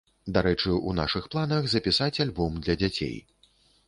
Дарэчы, у нашых планах, запісаць альбом для дзяцей.